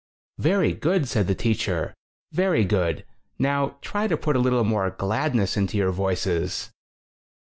"Very good," said the teacher. "Very good. Now try to put a little 12 more gladness into your voices."